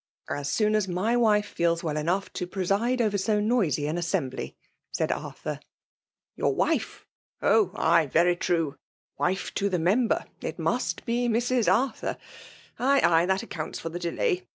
'' As soon as my wife feels well enough to preside over so noisy an assembly^" said Ar thur. " Your wife f — oh ! ay — very true ; wife to the member — it must be Mrs. Arthur, Ay — ay ! That accounts for the delay.